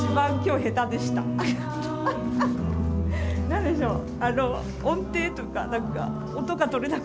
何でしょう。